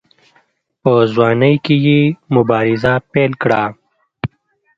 په ځوانۍ کې یې مبارزه پیل کړه.